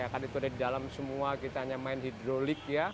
karena itu ada di dalam semua kita hanya main hidrolik ya